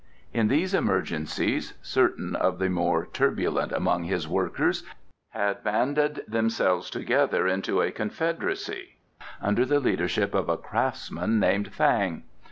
In these emergencies certain of the more turbulent among his workers had banded themselves together into a confederacy under the leadership of a craftsman named Fang.